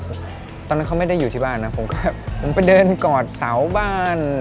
ตอนนั้นเขาไม่ได้อยู่ที่บ้านนะผมก็ผมไปเดินกอดเสาบ้าน